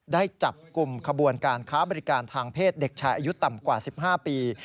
ได้จับกลุ่มขบวนการค้าบริการทางเพศเด็กชายอายุต่ำกว่า๑๕ปี